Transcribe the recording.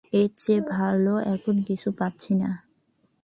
এর চেয়ে ভাল এখন কিছু পাচ্ছি না।